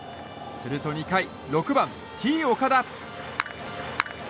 すると２回６番、Ｔ‐岡田。